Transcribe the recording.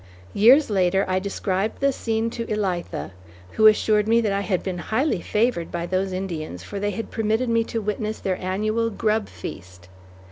Years later, I described the scene to Elitha, who assured me that I had been highly favored by those Indians for they had permitted me to witness their annual "Grub Feast."